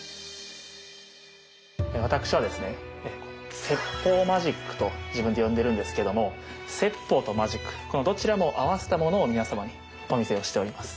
私はですね説法マジックと自分で呼んでるんですけども説法とマジックこのどちらも合わせたものを皆様にお見せをしております。